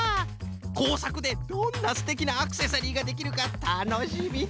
こうさくでどんなすてきなアクセサリーができるかたのしみたのしみフフ。